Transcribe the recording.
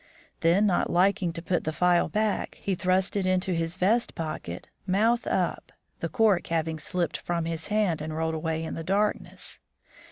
Then not liking to put the phial back, he thrust it into his vest pocket, mouth up (the cork having slipped from his hand and rolled away in the darkness).